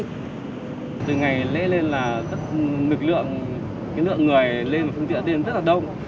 từ ngày lấy lên là rất nực lượng lượng người lên và phương tiện lên rất là đông